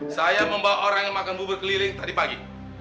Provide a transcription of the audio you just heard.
saya membawa orang yang makan bubur keliling tadi pagi